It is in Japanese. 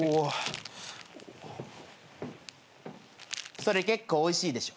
それ結構おいしいでしょ？